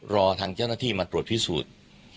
รอทางเจ้าหน้าที่มาตรวจพิสูจน์